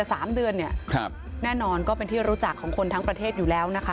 สามเดือนเนี่ยครับแน่นอนก็เป็นที่รู้จักของคนทั้งประเทศอยู่แล้วนะคะ